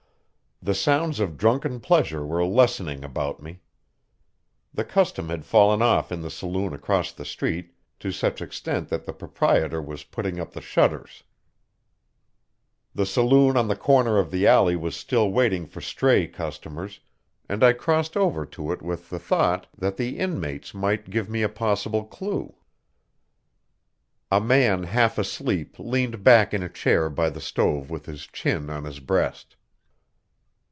The sounds of drunken pleasure were lessening about me. The custom had fallen off in the saloon across the street to such extent that the proprietor was putting up the shutters. The saloon on the corner of the alley was still waiting for stray customers and I crossed over to it with the thought that the inmates might give me a possible clue. A man half asleep leaned back in a chair by the stove with his chin on his breast.